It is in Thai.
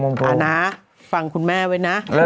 เอานะฟังคุณแม่ไว้นะ